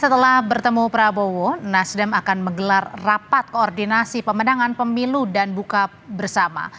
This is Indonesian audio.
setelah bertemu prabowo nasdem akan menggelar rapat koordinasi pemenangan pemilu dan buka bersama